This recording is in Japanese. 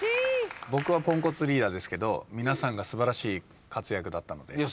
僕はポンコツリーダーですけど皆さんが素晴らしい活躍だったので。